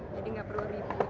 jadi nggak perlu review